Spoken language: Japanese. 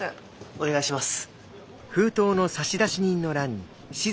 お願いします。